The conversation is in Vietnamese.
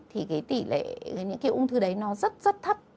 thì cái tỷ lệ những cái ung thư đấy nó rất rất thấp